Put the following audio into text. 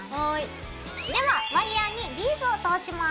ではワイヤーにビーズを通します。